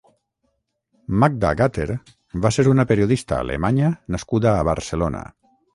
Magda Gatter va ser una periodista alemanya nascuda a Barcelona.